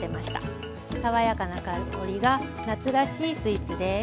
爽やかな香りが夏らしいスイーツです。